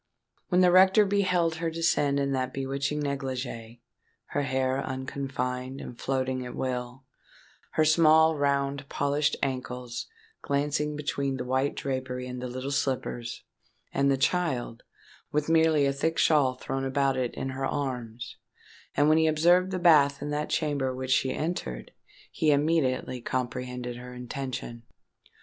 When the rector beheld her descend in that bewitching negligee,—her hair unconfined, and floating at will—her small, round, polished ankles glancing between the white drapery and the little slippers,—and the child, with merely a thick shawl thrown about it, in her arms,—and when he observed the bath in that chamber which she entered, he immediately comprehended her intention.